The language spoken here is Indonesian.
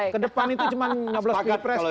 ke depan itu cuma enam belas pilih pres